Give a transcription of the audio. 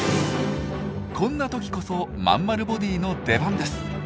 こんな時こそまんまるボディーの出番です。